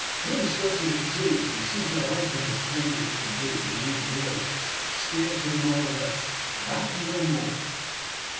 Bruce looks at it too, and sees the writing as plainly as can be, in these words: 'Steer to the nor' west.' That, and no more.